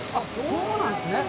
そうなんですね。